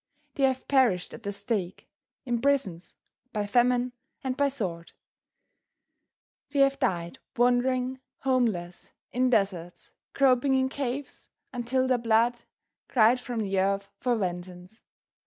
They have perished at the stake, in prisons, by famine and by sword; they have died wandering, homeless, in deserts, groping in caves, until their blood cried from the earth for vengeance.